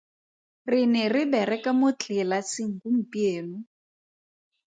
Re ne re bereka mo tlelaseng gompieno.